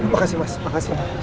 makasih mas makasih